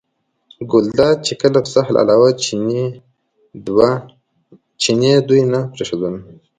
ګلداد چې کله پسه حلالاوه چیني دوی نه پرېښودل.